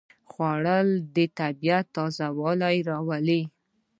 خوړل د طبیعت تازهوالی راولي